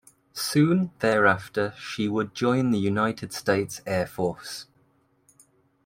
Soon thereafter she would join the United States Air Force.